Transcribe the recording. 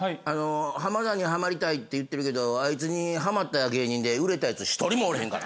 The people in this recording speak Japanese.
浜田にはまりたいって言ってるけどあいつにはまった芸人で売れたやつ１人もおれへんから。